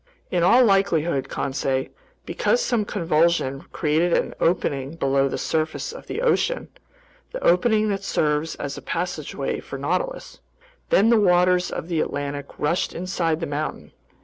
"In all likelihood, Conseil, because some convulsion created an opening below the surface of the ocean, the opening that serves as a passageway for the Nautilus. Then the waters of the Atlantic rushed inside the mountain.